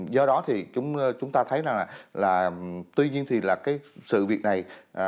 do đó thì chúng ta thấy rằng là tuy nhiên thì là cái sự việc này